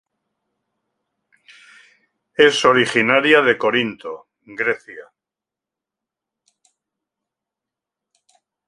Es originaria de Corinto, Grecia.